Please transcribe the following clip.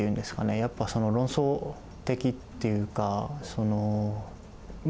やっぱ論争的っていうかまあ